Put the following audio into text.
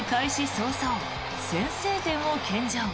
早々先制点を献上。